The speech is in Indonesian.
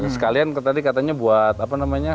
sekalian tadi katanya buat apa namanya